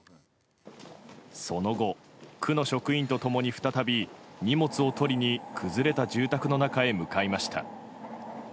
その後、区の職員と共に再び荷物を取りに崩れた住宅の中へ向かいました。